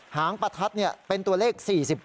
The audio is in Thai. หางประทัดเป็นตัวเลข๔๗